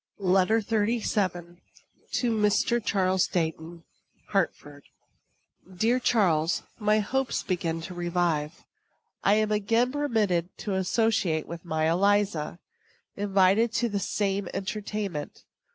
LETTER XXXVII. TO MR. CHARLES DEIGHTON. HARTFORD. Dear Charles: My hopes begin to revive. I am again permitted to associate with my Eliza invited to the same entertainment.